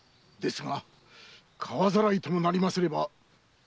ですが川浚いともなりますれば。